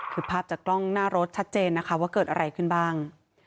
คือภาพจากกล้องหน้ารถชัดเจนนะคะว่าเกิดอะไรขึ้นบ้าง